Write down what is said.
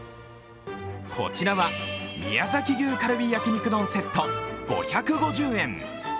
こちらは、宮崎牛カルビ焼肉丼セット５５０円。